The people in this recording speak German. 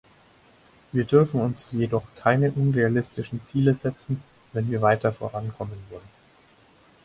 Wir dürfen uns jedoch keine unrealistischen Ziele setzen, wenn wir weiter vorankommen wollen.